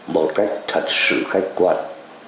một cách thật sự khách quan